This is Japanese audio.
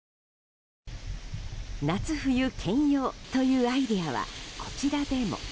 夏冬兼用というアイデアはこちらでも。